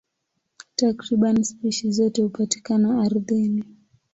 Takriban spishi zote hupatikana ardhini.